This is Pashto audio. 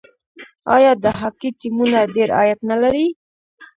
آیا د هاکي ټیمونه ډیر عاید نلري؟